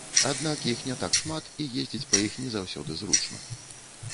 Аднак, іх не так шмат і ездзіць па іх не заўсёды зручна.